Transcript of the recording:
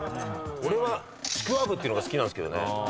俺はちくわぶっていうのが好きなんすけどね。